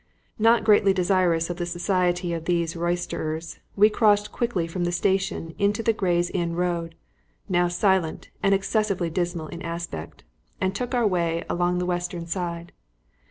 Not greatly desirous of the society of these roysterers, we crossed quickly from the station into the Gray's Inn Road, now silent and excessively dismal in aspect, and took our way along the western side.